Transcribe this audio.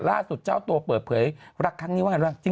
ล่าสุดเจ้าตัวเปิดเผยรักครั้งนี้ว่าไงบ้าง